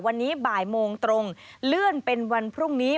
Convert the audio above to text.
วันนี้บ่ายโมงตรงเลื่อนเป็นวันพรุ่งนี้